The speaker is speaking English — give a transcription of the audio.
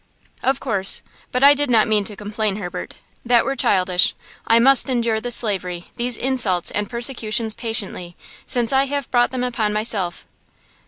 "Of course. But I did not mean to complain, Herbert; that were childish. I must endure this slavery, these insults and persecutions patiently, since I have brought them upon myself."